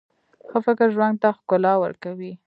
ښه فکر ژوند ته ښکلا ورکوي.